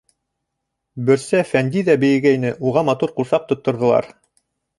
Бөрсә Фәндиҙә бейегәйне, уға матур ҡурсаҡ тотторҙолар.